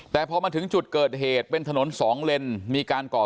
แต่พอมาถึงจุดเดินถึงเกิดเหตุเป็นถนนสองเลนมีการก่อสร้าง